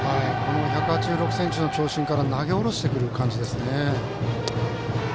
１８６ｃｍの長身から投げ下ろしてくる感じですね。